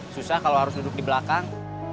susah kalau harus duduk di belakang